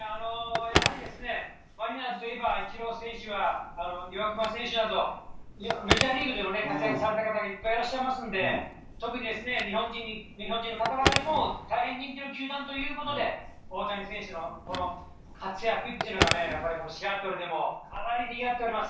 やはりですね、マリナーズといえば、イチロー選手や岩隈選手などメジャーリーグでも活躍された方がいっぱいいらっしゃいますんで、特に日本人に、日本人の方々にも大変人気の球団ということで、大谷選手のこの活躍というのがね、やっぱりこのシアトルでもかなりにぎわっております。